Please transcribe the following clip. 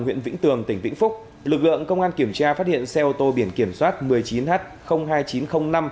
huyện vĩnh tường tỉnh vĩnh phúc lực lượng công an kiểm tra phát hiện xe ô tô biển kiểm soát một mươi chín h hai nghìn chín trăm linh năm